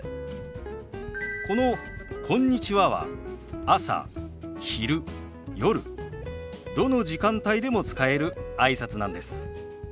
この「こんにちは」は朝昼夜どの時間帯でも使えるあいさつなんです。